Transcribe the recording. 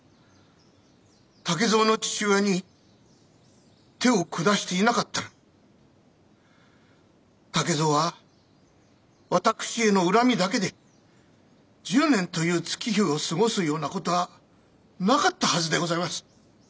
竹蔵の父親に手を下していなかったら竹蔵は私への恨みだけで１０年という月日を過ごすような事はなかったはずでございます。